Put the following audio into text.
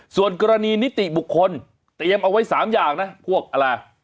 ส่วนกรณีนิติบุคคลเตรียมเอาไว้๓อย่างนะพวกอะไร